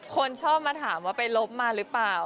คนชอบมาถามว่าไปลบมาหรือเปล่า